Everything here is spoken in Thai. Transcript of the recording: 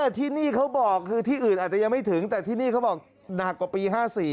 ที่นี่เขาบอกคือที่อื่นอาจจะยังไม่ถึงแต่ที่นี่เขาบอกหนักกว่าปี๕๔